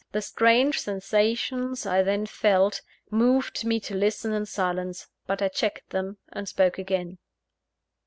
The strange sensations I then felt, moved me to listen in silence; but I checked them, and spoke again.